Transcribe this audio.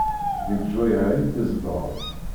Deg leǧwayeh-a i tzedɣeḍ?